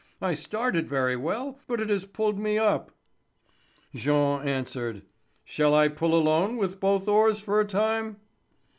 I started very well, but it has pulled me up." Jean asked: "Shall I pull alone with both oars for a time?"